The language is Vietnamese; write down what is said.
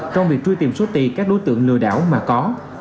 trong việc truy tìm số tiền các đối tượng lừa đảo mà có